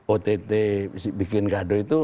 ott bikin gaduh itu